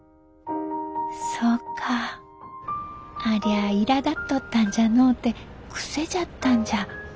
ありゃあいらだっとったんじゃのうて癖じゃったんじゃ。